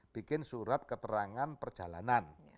bikin surat keterangan perjalanan